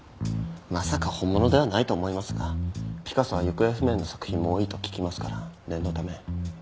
まさか本物ではないと思いますがピカソは行方不明の作品も多いと聞きますから念のため。